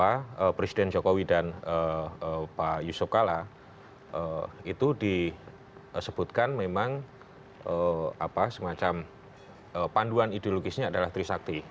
apa presiden jokowi dan pak yusof kalla itu disebutkan memang apa semacam panduan ideologisnya adalah trisakti